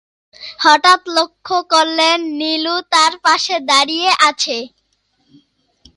হঠাৎ লক্ষ করলেন, নীলু তাঁর পাশে দাঁড়িয়ে আছে।